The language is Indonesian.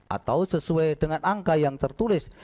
atau sesuai dengan angka yang tertulis